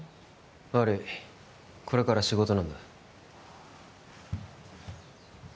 悪いこれから仕事なんだ